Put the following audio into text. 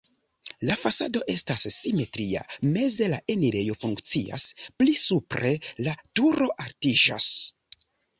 La fasado estas simetria, meze la enirejo funkcias, pli supre la turo altiĝas.